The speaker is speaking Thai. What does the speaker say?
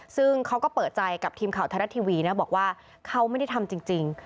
ซึ่งเขาก็เปิดใจกับทีมข่าวไทยรัฐทีวีนะบอกว่าเขาไม่ได้ทำจริง